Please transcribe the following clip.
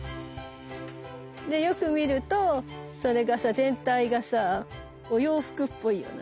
でよく見ると全体がさお洋服っぽいようなね。